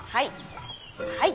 はい。